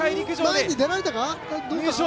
前に出られたか？